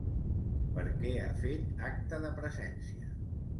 Per què ha fet acte de presència?